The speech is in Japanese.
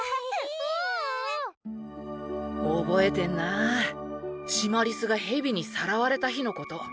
覚えてんなぁシマリスが蛇にさらわれた日のこと。